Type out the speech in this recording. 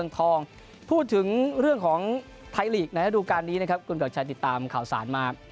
ตอนนี้นะครับคุณเบียดชัยติดตามข่าวสารมา